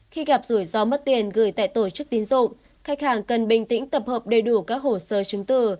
khi gặp rủi ro mất tiền gửi tại tổ chức tín dụng khách hàng cần bình tĩnh tập hợp đầy đủ các hồ sơ chứng tử